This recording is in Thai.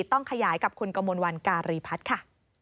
ต้องขยายกับคุณกมลวันการีพัฒน์ค่ะ